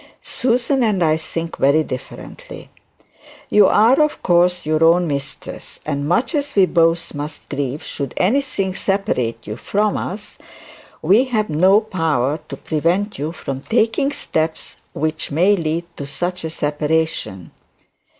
Susan and I think very differently. You are, of course, your own mistress, and much as we both must grieve should anything separate you from us, we have no power to prevent you from taking steps which may lead to such a separation.